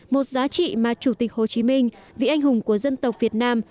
một giá trị mà chủ tịch hồ chí minh vị anh hùng của dân tộc việt nam